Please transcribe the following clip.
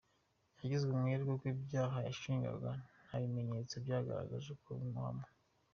Yagizwe umwere kuko ibyaha yashinjwaga ntabimenyetso byagaragaje ko bimuhama.